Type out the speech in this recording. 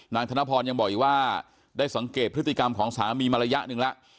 ธนพรยังบอกอีกว่าได้สังเกตพฤติกรรมของสามีมาระยะหนึ่งแล้ว